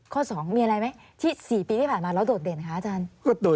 ข้อสองมีอะไรไหมที่สี่ปีที่ผ่านมาเราโดดเด่นค่ะอาจารย์